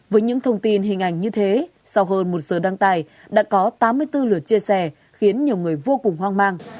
với những thông tin hình ảnh như thế sau hơn một giờ đăng tài đã có tám mươi bốn lượt chia sẻ khiến nhiều người vô cùng hoang mang